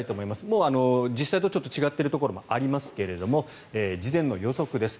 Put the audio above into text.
もう、実際と違っているところもありますが事前の予測です。